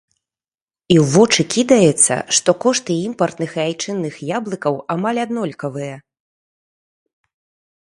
І ў вочы кідаецца, што кошты імпартных і айчынных яблыкаў амаль аднолькавыя!